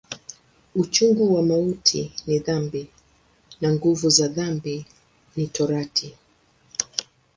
Uchungu wa mauti ni dhambi, na nguvu za dhambi ni Torati.